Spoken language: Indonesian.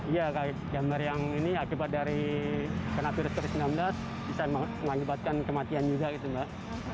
iya kayak gambar yang ini akibat dari kena virus covid sembilan belas bisa mengakibatkan kematian juga gitu mbak